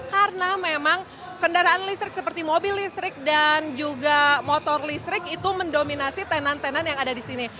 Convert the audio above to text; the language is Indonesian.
karena memang kendaraan listrik seperti mobil listrik dan juga motor listrik itu mendominasi tenan tenan yang ada di sini